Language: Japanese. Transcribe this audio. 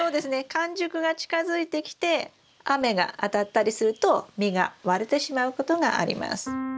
完熟が近づいてきて雨が当たったりすると実が割れてしまうことがあります。